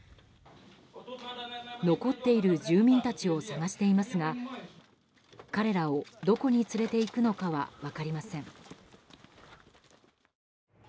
残っている住民たちを探していますが彼らをどこに連れていくのかは分かりません。